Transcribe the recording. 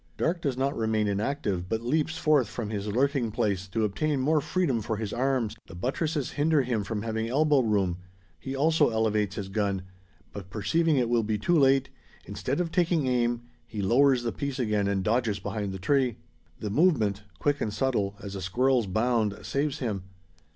Darke does not remain inactive, but leaps forth from his lurking place, to obtain more freedom for his arms. The buttresses hinder him from having elbow room. He also elevates his gun; but, perceiving it will be too late, instead of taking aim, he lowers the piece again, and dodges behind the tree. The movement, quick and subtle, as a squirrel's bound, saves him.